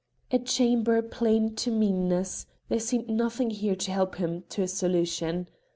A chamber plain to meanness there seemed nothing here to help him to a solution.